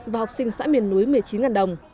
và học sinh xã miền núi một mươi chín đồng